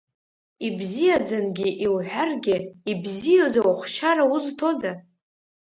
Ибзиаӡангьы иуҳәаргьы, ибзиаӡоу ахәшьара узҭода?